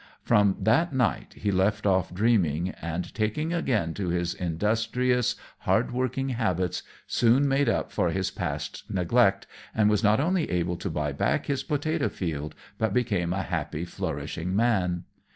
From that night he left off dreaming; and taking again to his industrious, hardworking habits, soon made up for his past neglect, and was not only able to buy back his potatoe field, but became a happy, flourishing man.